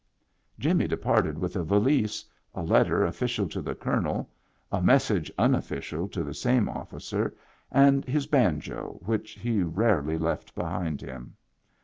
Jimmy departed with a valise, a letter official to the colonel, a mes sage unofficial to the same officer, and his banjo, which he rarely left behind him.